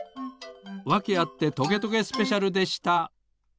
「わけあってトゲトゲスペシャル」でした。